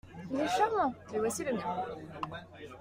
Il est charmant ! mais voici le mien.